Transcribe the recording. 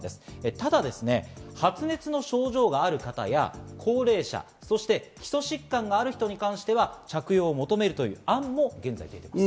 ただ発熱の症状がある方や、高齢者、そして基礎疾患がある人に関しては着用を求めるという案も現在出ています。